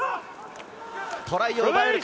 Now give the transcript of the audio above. トライを奪えるか？